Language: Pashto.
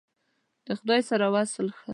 د خدای سره وصل ښه !